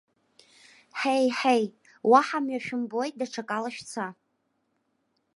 Ҳеи-ҳеи, уаҳа мҩа шәымбои, даҽакала шәца.